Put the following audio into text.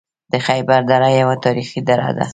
د خیبر دره یوه تاریخي لاره ده